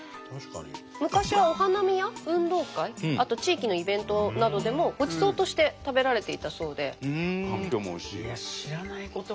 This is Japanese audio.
昔はお花見や運動会あと地域のイベントなどでもごちそうとして食べられていたそうで。